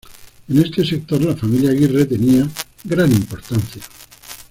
En este sector, la familia Aguirre tenía gran importancia.